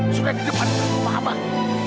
sudah di depan rumah abang